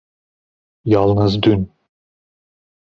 Yalnız dün.